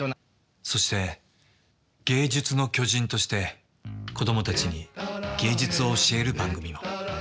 そして芸術の巨人として子供たちに芸術を教える番組も。